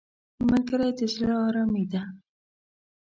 ملګری د زړه آرامي دی